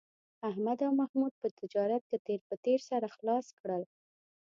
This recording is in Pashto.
احمد او محمود په تجارت کې تېر په تېر سره خلاص کړل